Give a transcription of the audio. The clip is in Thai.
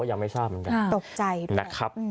ยังไม่ทราบเหมือนกันตกใจนะครับ